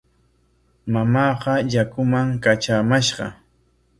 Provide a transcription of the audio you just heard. Mamaaqa yakuman katramashqa.